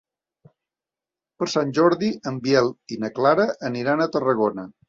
Per Sant Jordi en Biel i na Clara aniran a Tarragona.